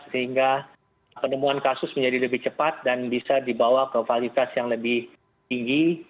sehingga penemuan kasus menjadi lebih cepat dan bisa dibawa ke validitas yang lebih tinggi